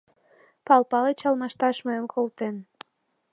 Пал Палыч алмашташ мыйым колтен.